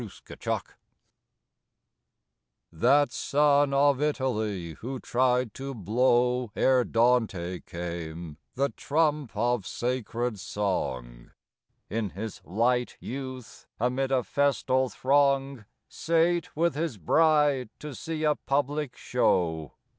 _ That son of Italy who tried to blow, Ere Dante came, the trump of sacred song, In his light youth amid a festal throng Sate with his bride to see a public show.